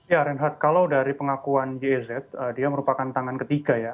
ya reinhardt kalau dari pengakuan yez dia merupakan tangan ketiga ya